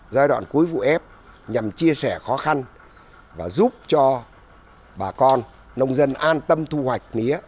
giai đoạn cuối vụ ép nhằm chia sẻ khó khăn và giúp cho bà con nông dân an tâm thu hoạch mía